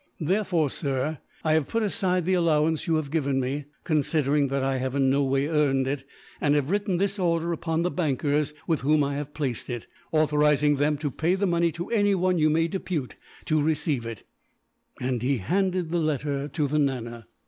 "Therefore, sir, I have put aside the allowance you have given me, considering that I have in no way earned it; and have written this order upon the bankers with whom I have placed it, authorizing them to pay the money to anyone you may depute to receive it;" and he handed the letter to the Nana.